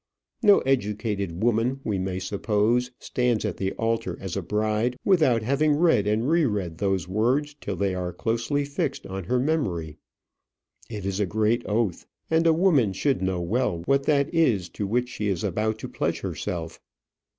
No educated woman, we may suppose, stands at the altar as a bride, without having read and re read those words till they are closely fixed on her memory. It is a great oath, and a woman should know well what that is to which she is about to pledge herself.